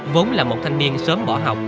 vốn là một thanh niên sớm bỏ học